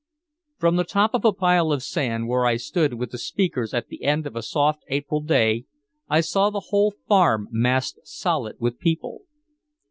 From the top of a pile of sand, where I stood with the speakers at the end of a soft April day, I saw the whole Farm massed solid with people.